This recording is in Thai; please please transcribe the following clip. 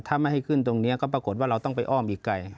ถ้าไม่ให้ขึ้นตรงนี้ก็ปรากฏว่าเราต้องไปอ้อมอีกไกล